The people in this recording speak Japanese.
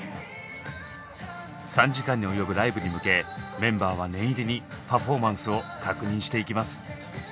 ３時間に及ぶライブに向けメンバーは念入りにパフォーマンスを確認していきます。